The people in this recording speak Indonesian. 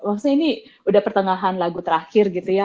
loh saya ini udah pertengahan lagu terakhir gitu ya